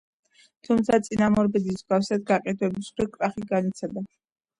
თუმცა წინამორბედის მსგავსად, გაყიდვების მხრივ კრახი განიცადა.